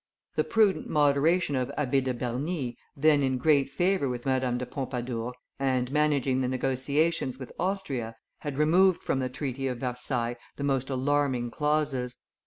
The prudent moderation of Abbe de Bernis, then in great favor with Madame de Pompadour, and managing the negotiations with Austria, had removed from the treaty of Versailles the most alarming clauses.